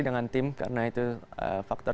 dengan tim karena itu faktor